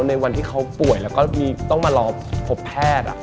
ในวันที่เขาป่วยแล้วก็ต้องมารอพบแพทย์